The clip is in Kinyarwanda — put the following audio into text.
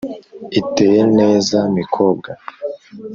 iteye neza mkobwa